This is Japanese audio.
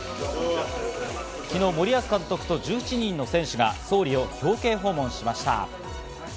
昨日、森保監督と１７人の選手が総理を表敬訪問しました。